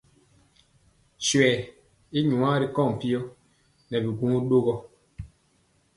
Swɛɛ i nwaa ri kɔŋ mpiyɔ nɛ biŋgwo ɗogɔ.